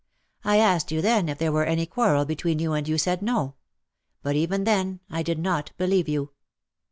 I asked you then if there were any quarrel between you, and you said no : but even then I did not believe you.''